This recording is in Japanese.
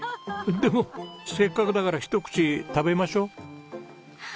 でもせっかくだからひと口食べましょう。